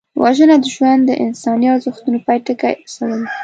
وژنه د انساني ارزښتونو پای ته رسول دي